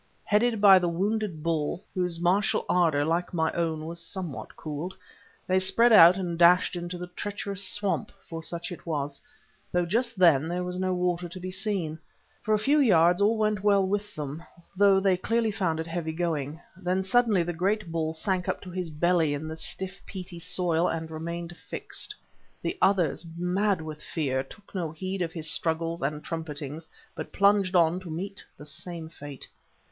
Headed by the wounded bull, whose martial ardour, like my own, was somewhat cooled, they spread out and dashed into the treacherous swamp—for such it was, though just then there was no water to be seen. For a few yards all went well with them, though they clearly found it heavy going; then suddenly the great bull sank up to his belly in the stiff peaty soil, and remained fixed. The others, mad with fear, took no heed of his struggles and trumpetings, but plunged on to meet the same fate.